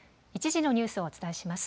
１時のニュースをお伝えします。